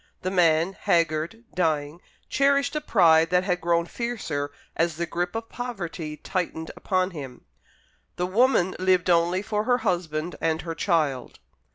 The man haggard, dying cherished a pride that had grown fiercer as the grip of poverty tightened upon him. The woman lived only for her husband and her child.